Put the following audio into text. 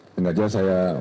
tenggak saja saya